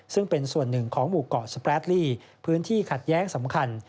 ซึ่งเป็นส่วนหนึ่งของหมู่เกาะสแปรดลี่พื้นที่ขัดแย้งสำคัญ